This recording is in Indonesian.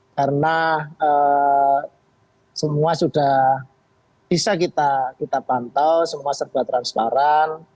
karena semua sudah bisa kita pantau semua serba transparan